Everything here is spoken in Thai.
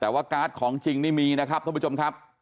แต่ว่าการ์ดของจริงนี่มีนะครับท่านผู้ชมครับ